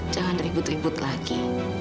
jangan ribut ribut lagi